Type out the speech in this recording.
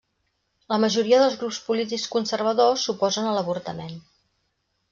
La majoria dels grups polítics conservadors s'oposen a l'avortament.